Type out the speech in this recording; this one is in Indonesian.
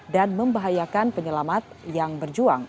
dan membahayakan penyelamat yang berjuang